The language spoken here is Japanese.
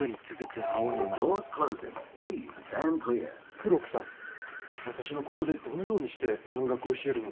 黒木さん私はここでどのようにして蘭学を教えるのですか？